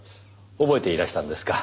覚えていらしたんですか？